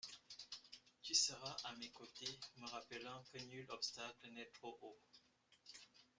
Tu seras à mes côtés, me rappelant que nul obstacle n’est trop haut.